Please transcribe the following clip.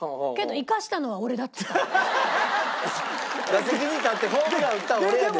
打席に立ってホームラン打ったのは俺やで。